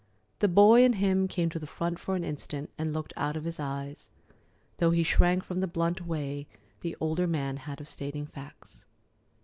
The boy in him came to the front for an instant and looked out of his eyes, though he shrank from the blunt way the older man had of stating facts.